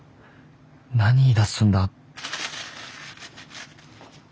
何言いだすんだ。